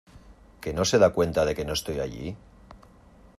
¿ Que no se da cuenta de que no estoy allí?